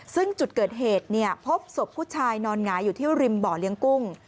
ซึ่งจุดเกิดเหตุพบศพผู้ชายนอนหงายอยู่ที่ริมบ่อเลี้ยงกุ้ง